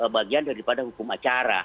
bagian daripada hukum acara